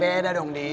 beda dong di